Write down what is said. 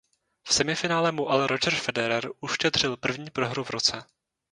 V semifinále mu ale Roger Federer uštědřil první prohru v roce.